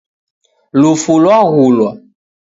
Lufu lwaghulwa